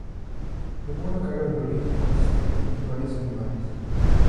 Llevó una carga biológica consistente en varios animales.